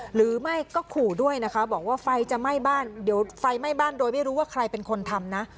หรือไม่ก็ขู่ด้วยนะคะบอกว่าไฟจะไหม้บ้านเดี๋ยวไฟไหม้บ้านโดยไม่รู้ว่าใครเป็นคนทำนะ